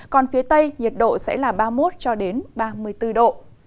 còn phía tây nhiệt độ sẽ là ba mươi một cho đến ba mươi bốn độ